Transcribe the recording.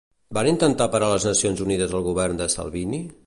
Van intentar parar les Nacions Unides al govern de Salvini?